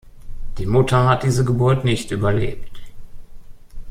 Die Mutter hat diese Geburt nicht überlebt.